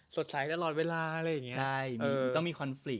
สดใสต์ตลอดเวลาอะไรอย่างเงี้ย